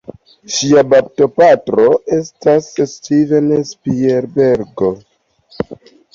Ŝia baptopatro estas Steven Spielberg.